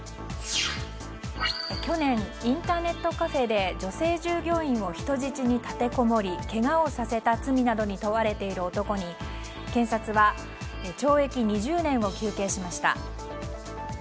去年、インターネットカフェで女性従業員を人質に立てこもりけがをさせた罪などに問われている男に検察は懲役２０年を求刑しました。